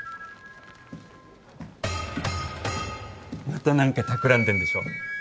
また何かたくらんでんでしょ？